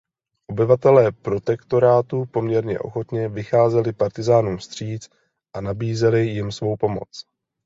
Obyvatelé Protektorátu poměrně ochotně vycházeli partyzánům vstříc a nabízeli jim svou pomoc.